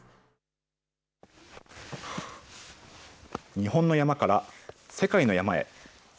日本の山から世界の山へ。